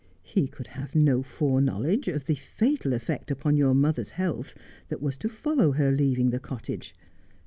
He could have no fore knowledge of the fatal effect upon your mother's health that was to follow her leaving the cottage.